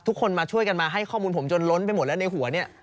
ทุกคนมาช่วยกันมาให้ข้อมูลผมจนล้นไปหมดแล้วในหัวเนี่ย